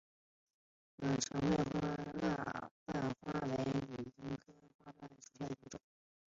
长穗蜡瓣花为金缕梅科蜡瓣花属下的一个种。